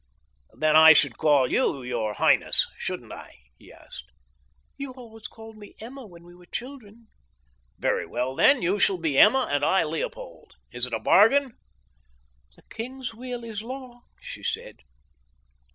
"Then I should call you 'your highness,' shouldn't I?" he asked. "You always called me Emma when we were children." "Very well, then, you shall be Emma and I Leopold. Is it a bargain?" "The king's will is law," she said.